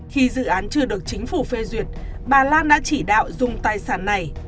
khi dự án chưa được chính phủ phê duyệt bà lan đã chỉ đạo dùng tài sản này